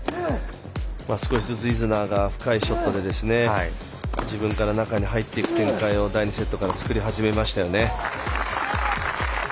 少しずつイズナーが深いショットで自分から中に入っていく展開を第２セットから作り始めましたよね。